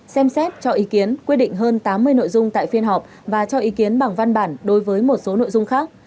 xem xét cho ý kiến quyết định hơn tám mươi nội dung tại phiên họp và cho ý kiến bằng văn bản đối với một số nội dung khác